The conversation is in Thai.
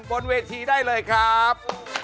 บนเวทีได้เลยครับ